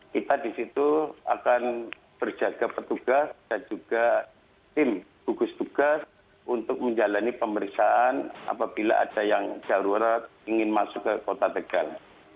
kita di situ akan berjaga petugas dan juga tim gugus tugas untuk menjalani pemeriksaan apabila ada yang jarurat ingin masuk ke kota tegal